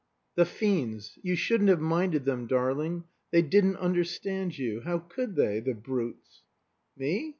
"The fiends! You shouldn't have minded them, darling. They didn't understand you. How could they? The brutes." "Me?